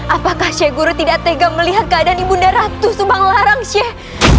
apakah syekh guru tidak tegak melihat keadaan ibu naratu subanglarang syekh